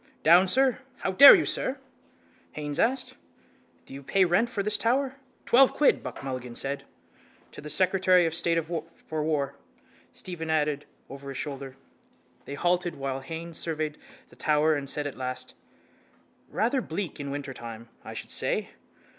—Down, sir! How dare you, sir! Haines asked: —Do you pay rent for this tower? —Twelve quid, Buck Mulligan said. —To the secretary of state for war, Stephen added over his shoulder. They halted while Haines surveyed the tower and said at last: —Rather bleak in wintertime, I should say.